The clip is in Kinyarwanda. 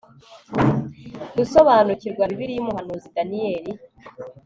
gusobanukirwa bibiliya umuhanuzi daniyeli